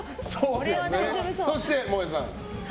そして、もえさん。